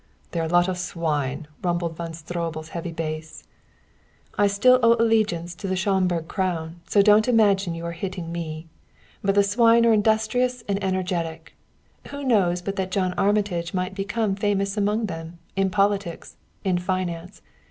"They're a lot of swine!" rumbled Von Stroebel's heavy bass. "I still owe allegiance to the Schomburg crown, so don't imagine you are hitting me. But the swine are industrious and energetic. Who knows but that John Armitage might become famous among them in politics, in finance!